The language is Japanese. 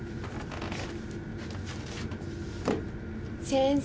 ・先生。